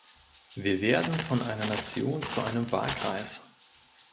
Wir werden von einer Nation zu einem Wahlkreis.